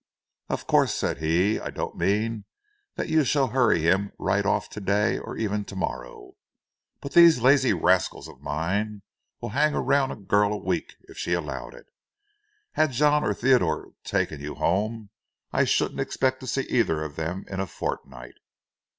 "Of course," said he, "I don't mean that you shall hurry him right off to day or even to morrow. But these lazy rascals of mine will hang around a girl a week, if she'll allow it. Had John or Theodore taken you home, I shouldn't expect to see either of them in a fortnight.